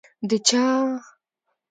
ـ د چا؟!